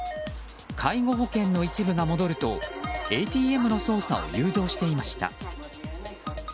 介護保険の一部が戻るとＡＴＭの操作を誘導していました。